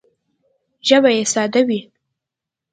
ژبه یې ساده وي